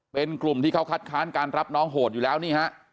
เป็นกลุ่มที่เขาคัดค้านการรับน้องโหดอยู่แล้วนี่ฮะ